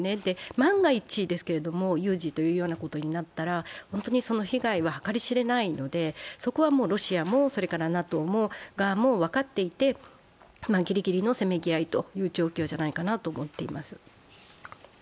万が一ですが、有事ということになったら本当に被害は計り知れないので、そこはロシアもＮＡＴＯ側も分かっていてぎりぎりのせめぎ合いという状況じゃないかなと思っています。